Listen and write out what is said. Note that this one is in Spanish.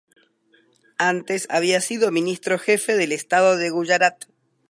Antes había sido Ministro Jefe del estado de Guyarat.